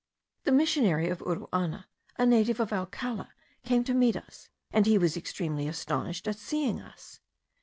The missionary of Uruana, a native of Alcala, came to meet us, and he was extremely astonished at seeing us.